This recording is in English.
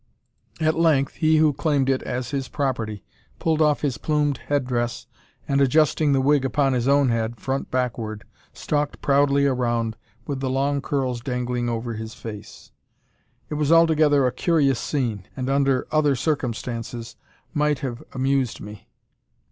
At length, he who claimed it as his property pulled off his plumed head dress and, adjusting the wig upon his own head, front backward, stalked proudly around, with the long curls dangling over his face. It was altogether a curious scene, and, under other circumstances, might have amused me.